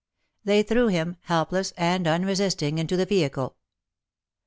They threw him, helpless and unresisting, into the vehicle.